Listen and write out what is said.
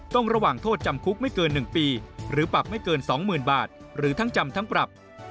ระหว่างโทษจำคุกไม่เกิน๑ปีหรือปรับไม่เกิน๒๐๐๐บาทหรือทั้งจำทั้งปรับ